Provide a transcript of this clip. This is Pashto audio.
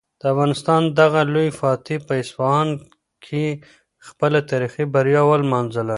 د افغانستان دغه لوی فاتح په اصفهان کې خپله تاریخي بریا ولمانځله.